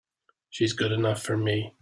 She's good enough for me!